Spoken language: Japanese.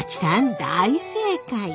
大正解！